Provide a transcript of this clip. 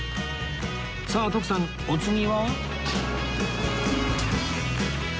さあ徳さんお次は？